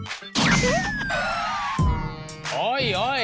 おいおい！